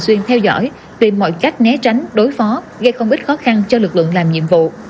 xuyên theo dõi tìm mọi cách né tránh đối phó gây không ít khó khăn cho lực lượng làm nhiệm vụ